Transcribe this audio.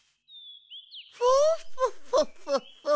フォッフォッフォッフォッフォッフォッ。